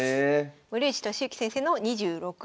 森内俊之先生の２６連勝。